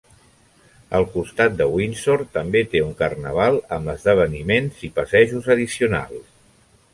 El costat de Windsor també té un carnaval amb esdeveniments i passejos addicionals.